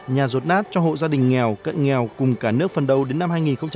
nhà rột nát cho hộ gia đình nghèo cận nghèo cùng cả nước phần đầu đến năm hai nghìn hai mươi